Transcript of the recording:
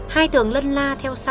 hai thường lân la